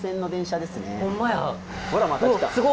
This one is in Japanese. ほらまた来た。